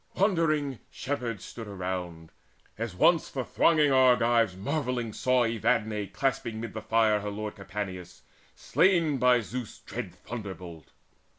Wondering herdmen stood around, As once the thronging Argives marvelling saw Evadne clasping mid the fire her lord Capaneus, slain by Zeus' dread thunderbolt.